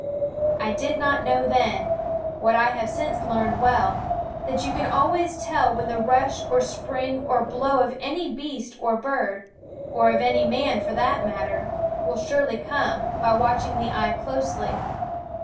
I did not know then what I have since learned well that you can always tell when the rush or spring or blow of any beast or bird or of any man, for that matter will surely come, by watching the eye closely.